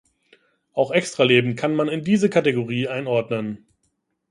Auch Extraleben kann man in diese Kategorie einordnen.